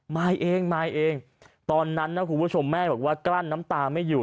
มายเองมายเองตอนนั้นนะคุณผู้ชมแม่บอกว่ากลั้นน้ำตาไม่อยู่